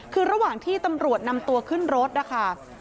คือระหว่างที่ตำรวจนำตัวขึ้นรถนะคะ